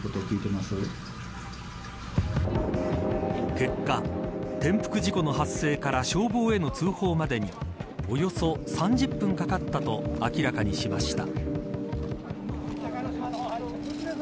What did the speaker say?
結果、転覆事故の発生から消防への通報までにおよそ３０分かかったと明らかにしました。